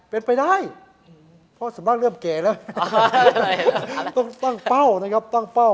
เป็นไปได้เพราะสำนักเริ่มเก๋แล้วต้องตั้งเป้านะครับตั้งเป้า